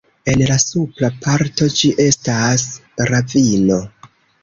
En la supra parto ĝi estas ravino.